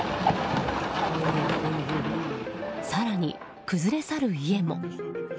更に、崩れ去る家も。